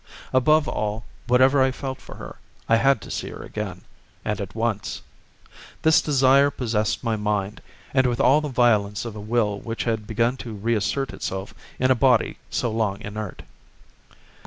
Above all, whatever I felt for her, I had to see her again, and at once. This desire possessed my mind, and with all the violence of a will which had begun to reassert itself in a body so long inert.